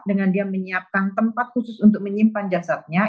dengan dia menyiapkan tempat khusus untuk menyimpan jasadnya